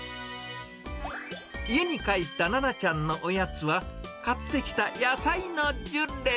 家に帰ったななちゃんのおやつは、買ってきた野菜のジュレ。